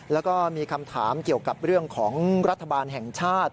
แล้วก็มีคำถามเกี่ยวกับเรื่องของรัฐบาลแห่งชาติ